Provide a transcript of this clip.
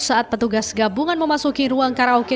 saat petugas gabungan memasuki ruang karaoke